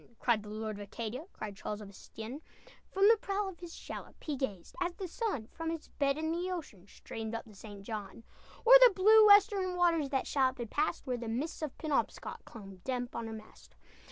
Cried the Lord of Acadia, Cried Charles of Estienne! From the prow of his shallop He gazed, as the sun From its bed in the ocean, Streamed up the St. John. O'er the blue western waters That shallop had passed, Where the mists of Penobscot Clung damp on her mast.